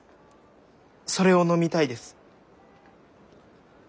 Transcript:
それを飲みたいです。